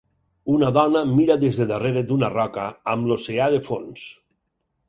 Una dona mira des de darrere d'una roca amb l'oceà de fons.